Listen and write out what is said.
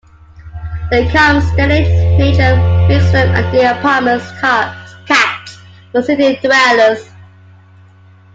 Their calm, steady nature makes them ideal apartment cats for city dwellers.